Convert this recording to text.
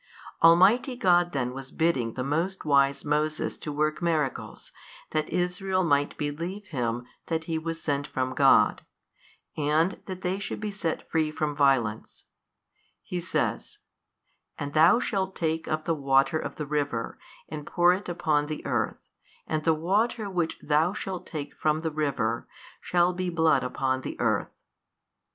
Almighty God then was bidding the most wise Moses to work miracles, that Israel might believe him that he was sent from God, and that they should be set free from violence: He says, And thou shalt take of the water of the river, and pour it upon the earth, and the water which thou shalt take from the river, shall he blood upon the earth.